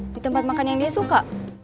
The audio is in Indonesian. di tempat makan yang dia suka